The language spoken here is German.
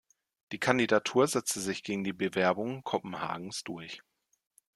Die Kandidatur setzte sich gegen die Bewerbung Kopenhagens durch.